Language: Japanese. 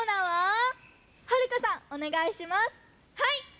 はい。